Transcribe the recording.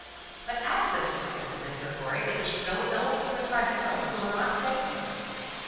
"But access to him," said Mr. Lorry, "if it should go ill before the Tribunal, will not save him."